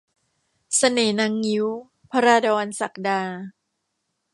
เสน่ห์นางงิ้ว - ภราดร ศักดา